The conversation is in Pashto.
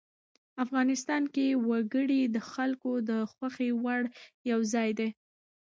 افغانستان کې وګړي د خلکو د خوښې وړ یو ځای دی.